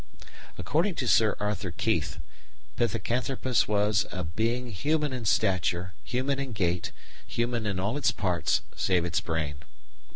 According to Sir Arthur Keith, Pithecanthropus was "a being human in stature, human in gait, human in all its parts, save its brain."